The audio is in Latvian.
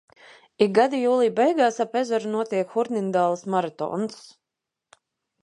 Ik gadu jūlija beigās ap ezeru notiek Hurnindāles maratons.